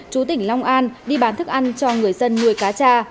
chú tỉnh long an đi bán thức ăn cho người dân nuôi cá cha